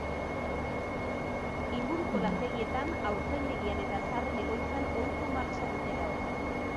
Inguruko lantegietan, haurtzaindegian eta zaharren egoitzan ohiko martxa dute gaur.